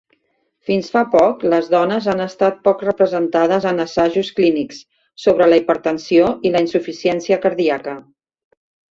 Fins fa poc les dones han estat poc representades en assajos clínics sobre la hipertensió i la insuficiència cardíaca.